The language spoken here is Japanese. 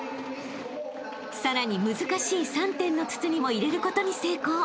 ［さらに難しい３点の筒にも入れることに成功］